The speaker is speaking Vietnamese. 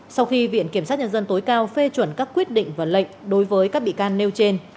sau khi viện kiểm sát nhân dân tối cao phê chuẩn các quyết định và lệnh đối với các bị can nêu trên